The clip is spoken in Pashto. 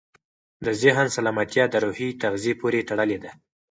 د ذهن سالمتیا د روحي تغذیې پورې تړلې ده.